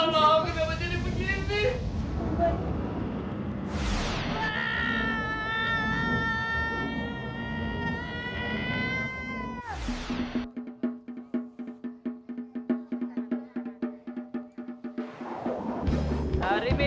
kok kita ada di sini